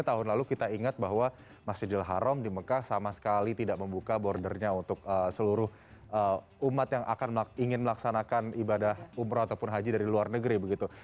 tahun lalu kita ingat bahwa masjidil haram di mekah sama sekali tidak membuka bordernya untuk seluruh umat yang ingin melaksanakan ibadah umroh ataupun haji dari luar negeri